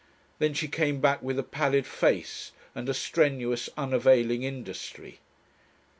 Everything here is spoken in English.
Then she came back with a pallid face and a strenuous unavailing industry.